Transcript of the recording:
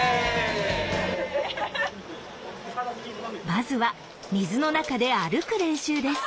まずは水の中で歩く練習です。